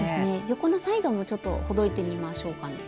横のサイドもほどいてみましょうかね。